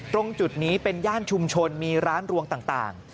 ตรงจุดนี้เป็นย่านชุมชนมีร้านรวงต่าง